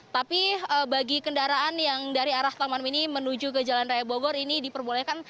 tapi bagi kendaraan yang dari arah taman mini menuju ke jalan raya bogor ini diperbolehkan